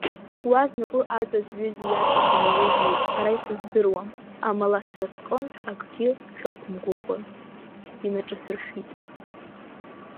Уа знапы аҵазҩызи иаҵазымҩызи сара исыздыруам, амала сара сҟынтә акгьы шәақәымгәыӷын, инаҿасыршәит.